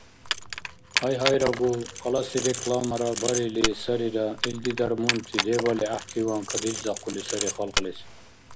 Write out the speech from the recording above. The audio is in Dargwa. Гьайгьайрагу, халаси рекламара барили сарира илди дармунти дебали гӀяхӀтиван кадилзахъули сари халкьлис.